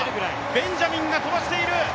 ベンジャミンが飛ばしている。